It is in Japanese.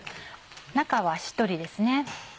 中はしっとりですね。